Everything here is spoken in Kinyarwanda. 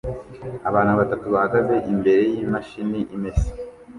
Abantu batatu bahagaze imbere yimashini imesa